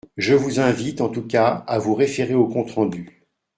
Je vous invite, en tout cas, à vous référer au compte rendu.